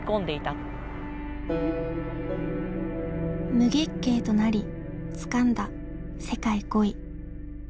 「無月経」となりつかんだ「世界５位」。